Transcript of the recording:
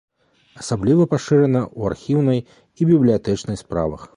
Асабліва пашырана ў архіўнай і бібліятэчнай справах.